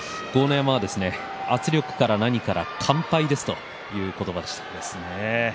山は圧力から何から、完敗ですという言葉でした。